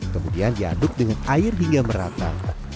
kemudian diaduk dengan air hingga merata